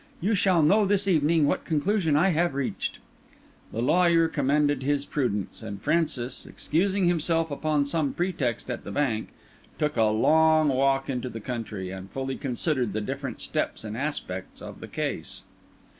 You shall know this evening what conclusion I have reached." The lawyer commended his prudence; and Francis, excusing himself upon some pretext at the bank, took a long walk into the country, and fully considered the different steps and aspects of the case.